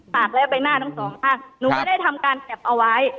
ตามไปหน้าทั้ง๒ข้างหนูก็ได้ทำการแบบเอาไว้